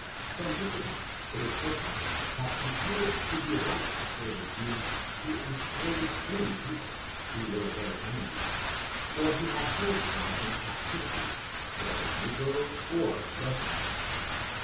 From this account, it is certain that he held it to be right for the Jews to enslave any people who were their enemies, or who had held them in captivity, whether negro or red man.